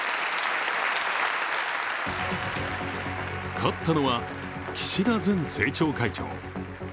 勝ったのは岸田前政調会長。